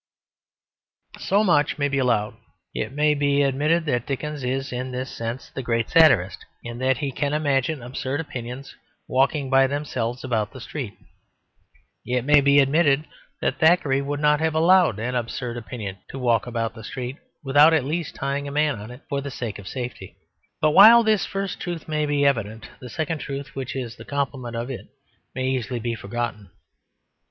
So much may be allowed; it may be admitted that Dickens is in this sense the great satirist, in that he can imagine absurd opinions walking by themselves about the street. It may be admitted that Thackeray would not have allowed an absurd opinion to walk about the street without at least tying a man on to it for the sake of safety. But while this first truth may be evident, the second truth which is the complement of it may easily be forgotten.